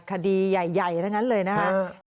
คดีใหญ่ทั้งนั้นเลยนะครับ